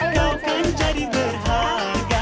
kau kan jadi berharga